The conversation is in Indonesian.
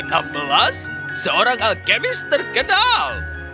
dia seorang alkemis terkenal